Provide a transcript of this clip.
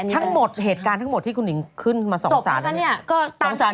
ทั้งหมดเหตุการณ์ทั้งหมดที่คุณหนิงขึ้นมา๒๓แล้วเนี่ย